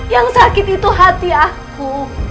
yang sakit itu hati aku